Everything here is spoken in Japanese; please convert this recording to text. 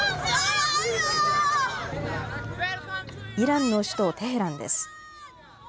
イランの首都、テヘランです。